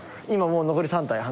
今もう残り３体。